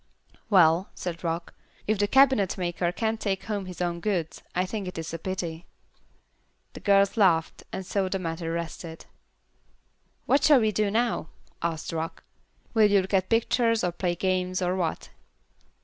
"Well," said Rock, "if the cabinetmaker can't take home his own goods, I think it is a pity." The girls laughed, and so the matter rested. "What shall we do now?" asked Rock. "Will you look at pictures, or play games, or what?"